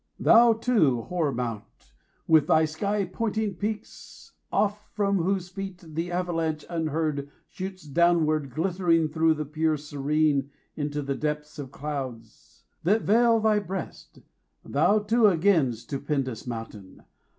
Thou too, hoar Mount! with thy sky pointing peaks, 70 Oft from whose feet the avalanche, unheard, Shoots downward, glittering through the pure serene Into the depth of clouds, that veil thy breast Thou too again, stupendous Mountain!